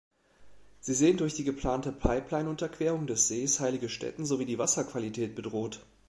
Sie sehen durch die geplante Pipeline-Unterquerung des Sees heilige Stätten sowie die Wasserqualität bedroht.